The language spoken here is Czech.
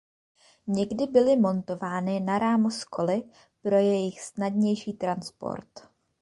Někdy byly montovány na rám s koly pro jejich snadnější transport.